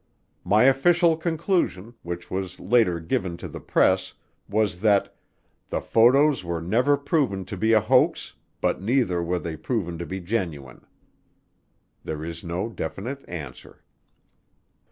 My official conclusion, which was later given to the press, was that "The photos were never proven to be a hoax but neither were they proven to be genuine." There is no definite answer.